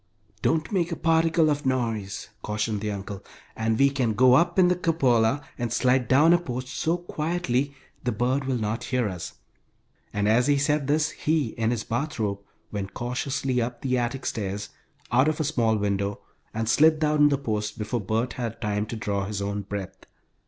"Don't make a particle of noise," cautioned the uncle, "and we can go up in the cupola and slide down a post so quietly the bird will not hear us," and as he said this, he, in his bath robe, went cautiously up the attic stairs, out of a small window, and slid down the post before Bert had time to draw his own breath.